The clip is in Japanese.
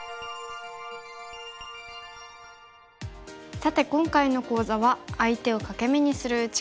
さて今回の講座は相手を欠け眼にする打ち方を学びました。